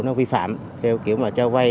nó vi phạm kiểu mà cho vay